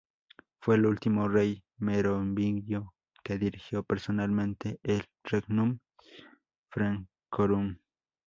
Fue el último rey merovingio que dirigió personalmente el "regnum francorum".